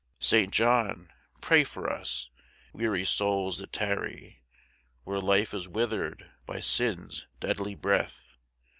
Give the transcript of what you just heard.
Saint John, pray for us, weary souls that tarry Where life is withered by sin's deadly breath.